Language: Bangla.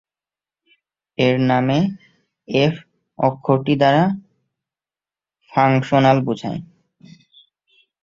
এর নামে এফ অক্ষরটি দ্বারা ফাংশনাল বুঝায়।